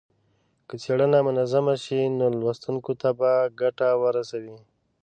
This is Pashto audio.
که څېړنه منظمه شي نو لوستونکو ته به ګټه ورسوي.